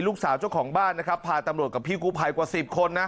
เจ้าของบ้านนะครับพาตำรวจกับพี่กู้ภัยกว่า๑๐คนนะ